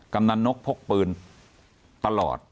กำลังนกพกปืนตลอด